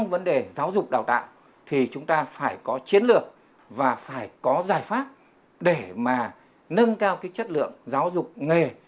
vấn đề giáo dục đào tạo thì chúng ta phải có chiến lược và phải có giải pháp để mà nâng cao cái chất lượng giáo dục nghề